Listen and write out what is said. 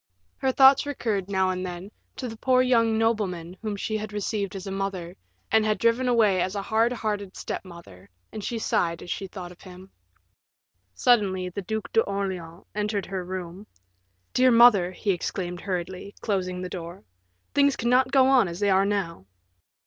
Her thoughts recurred, now and then, to the poor young nobleman whom she had received as a mother, and had driven away as a hard hearted step mother, and she sighed as she thought of him. Suddenly the Duc d'Orleans entered her room. "Dear mother," he exclaimed hurriedly, closing the door, "things cannot go on as they are now."